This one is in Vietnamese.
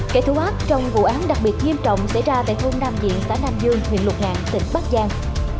kẻ thú ác trong vụ án đặc biệt nghiêm trọng xảy ra tại phương nam diện xã nam dương huyện lục hạng tỉnh bắc giang